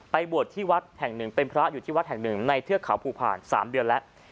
บวชที่วัดแห่งหนึ่งเป็นพระอยู่ที่วัดแห่งหนึ่งในเทือกเขาภูผ่าน๓เดือนแล้ว